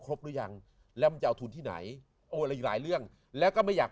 ครบหรือยังแล้วมันจะเอาทุนที่ไหนหลายเรื่องแล้วก็ไม่อยาก